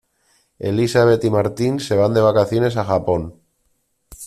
Elisabet y Martín se van de vacaciones a Japón.